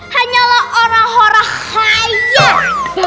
hanyalah orang orang khayat